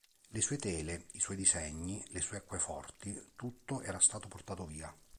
Le sue tele, i suoi disegni, le sue acqueforti, tutto era stato portato via.